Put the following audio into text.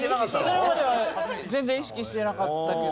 それまでは意識してなかったけど。